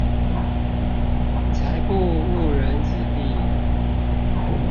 才不誤人子弟